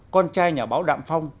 con trai nhà báo đạm phong